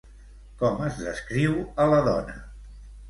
Com es descriu a la dona?